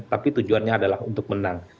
tapi tujuannya adalah untuk menang